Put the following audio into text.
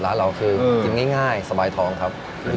ร้านเราคือเออกินง่ายง่ายสบายท้องครับอื้อ